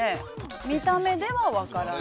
見た目では分からない。